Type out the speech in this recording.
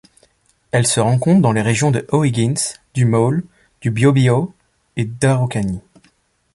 Elle se rencontre dans les régions de O’Higgins, du Maule, du Biobío et d'Araucanie.